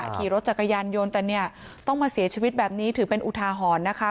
ขี่รถจักรยานยนต์แต่เนี่ยต้องมาเสียชีวิตแบบนี้ถือเป็นอุทาหรณ์นะคะ